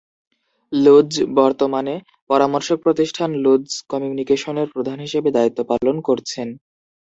লুতজ বর্তমানে পরামর্শক প্রতিষ্ঠান লুতজ কমিউনিকেশনের প্রধান হিসেবে দায়িত্ব পালন করছেন।